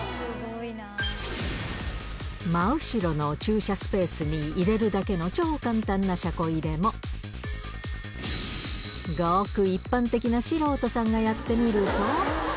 真後ろの駐車スペースに入れるだけの超簡単な車庫入れも、ごく一般的な素人さんがやってみると。